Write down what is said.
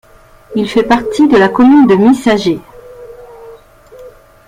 Il fait partie de la commune de Misaje.